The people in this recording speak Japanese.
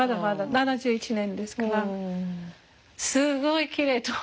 ７１年ですからすごいきれいと。